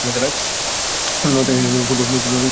South Adelaide ও North Adelaide football ক্লাবের পক্ষে খেলেছেন।